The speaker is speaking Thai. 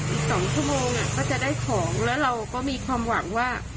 อีก๒ชั่วโมงก็จะได้ของแล้วเราก็มีความหวังว่า